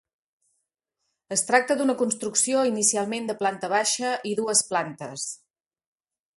Es tracta d'una construcció inicialment de planta baixa i dues plantes.